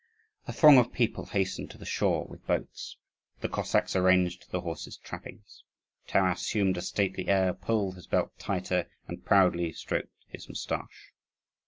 A throng of people hastened to the shore with boats. The Cossacks arranged the horses' trappings. Taras assumed a stately air, pulled his belt tighter, and proudly stroked his moustache.